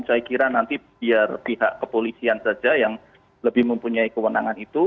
saya kira nanti biar pihak kepolisian saja yang lebih mempunyai kewenangan itu